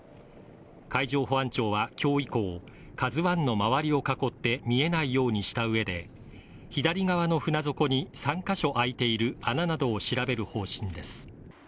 海上保安庁は今日以降、「ＫＡＺＵⅠ」の周りを囲って見えないようにしたうえで左側の船底に３カ所開いている穴などを調べる方針です。